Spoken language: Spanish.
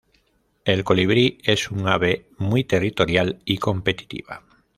El colibrí es un ave muy territorial y competitiva.